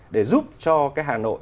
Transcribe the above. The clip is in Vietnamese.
để giúp cho cái hà nội